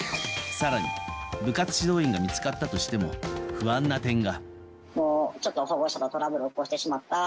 更に部活指導員が見つかったとしても不安な点が。